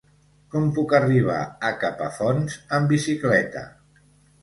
Com puc arribar a Capafonts amb bicicleta?